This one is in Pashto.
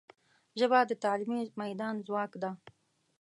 ژبه د تعلیمي میدان ځواک ده